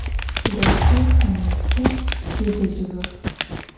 Suretre Sanêtre yêjejığex.